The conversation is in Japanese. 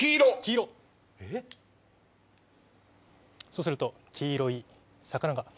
そうすると黄色い魚が。